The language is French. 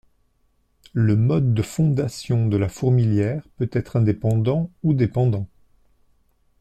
Le mode de fondation de la fourmilière peut être indépendant ou dépendant.